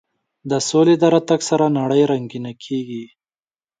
د سولې د راتګ سره نړۍ رنګینه کېږي.